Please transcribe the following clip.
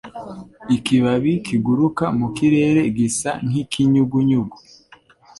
Ikibabi kiguruka mu kirere gisa n'ikinyugunyugu